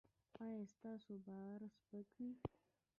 ایا ستاسو بار به سپک وي؟